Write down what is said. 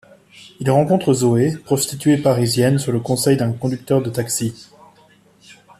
Il rencontre Zoe, prostituée parisienne sur le conseil d'un conducteur de taxi.